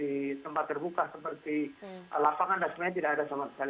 di tempat terbuka seperti lapangan dan semuanya tidak ada